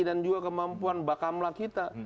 dan juga kemampuan bakamlah kita